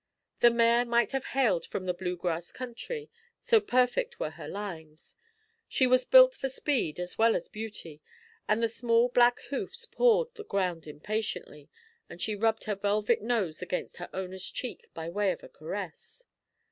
The mare might have hailed from the blue grass country, so perfect were her lines. She was built for speed as well as beauty, and the small black hoofs pawed the ground impatiently, as she rubbed her velvet nose against her owner's cheek by way of a caress.